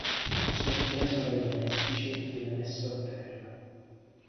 Sorpreso dai domestici, viene messo a terra.